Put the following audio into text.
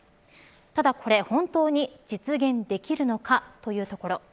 ただこれ、本当に実現できるのかというところ。